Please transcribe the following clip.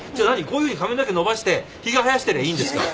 こういうふうに髪の毛伸ばしてひげ生やしてりゃいいんですか？